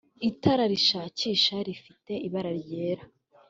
itara rishakisha rifite ibara ryera